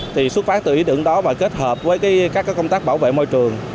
thì xuất phát từ ý tưởng đó và kết hợp với các công tác bảo vệ môi trường